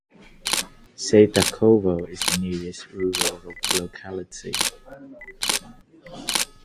Seytakovo is the nearest rural locality.